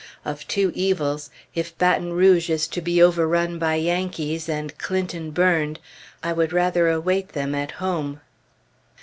Of two evils, if Baton Rouge is to be overrun by Yankees, and Clinton burned, I would rather await them at home.